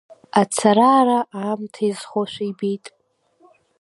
Ацара-аара аамҭа изхошәа ибеит.